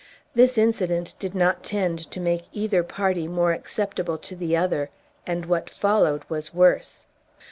This incident did not tend to make either party more acceptable to the other; and what followed was worse.